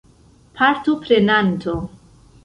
partoprenanto